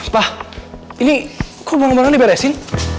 pak ini kok bangun bangunan diberesin